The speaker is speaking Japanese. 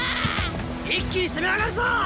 一気に攻め上がるぞ！